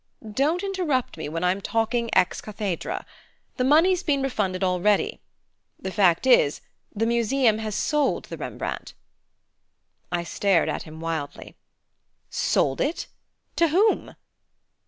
"Don't interrupt me when I'm talking ex cathedra. The money's been refunded already. The fact is, the Museum has sold the Rembrandt." I stared at him wildly. "Sold it? To whom?"